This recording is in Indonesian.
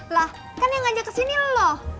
lah kan yang ngajak kesini loh